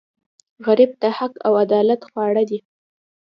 غریب ته حق او عدل خواږه دي